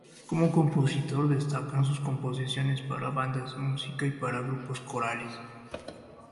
Como compositor, destacan sus composiciones para bandas de música y para grupos corales.